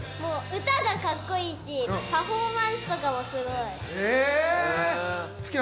歌がカッコイイしパフォーマンスとかもすごい。